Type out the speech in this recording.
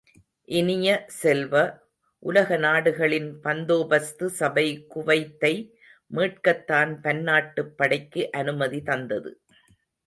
இனிய செல்வ, உலக நாடுகளின் பந்தோபஸ்து சபை குவைத்தை மீட்கத்தான் பன்னாட்டுப் படைக்கு அனுமதி தந்தது.